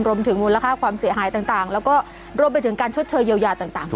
รวมถึงมูลค่าความเสียหายต่างต่างแล้วก็รวมไปถึงการชดเชยเยียวยาต่างต่างด้วย